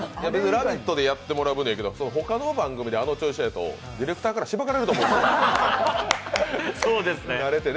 「ラヴィット！」でやってもらう分ならいいけどあの調子やと、ディレクターからしばかれると思うんですけど。